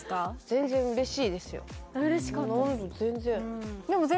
全然嬉しいですよ